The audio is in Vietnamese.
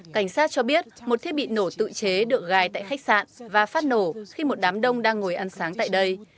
cảnh sát cho biết một thiết bị nổ tự chế được gài tại khách sạn và phát nổ khi một đám đông đang ngồi ăn sáng tại đây